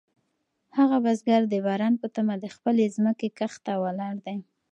هغه بزګر د باران په تمه د خپلې ځمکې کښت ته ولاړ دی.